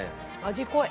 味濃い。